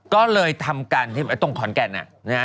ก็เลยทำกันตรงขอนแก่น